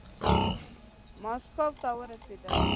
ماسکو ته ورسېدم.